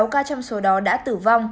sáu ca trong số đó đã tử vong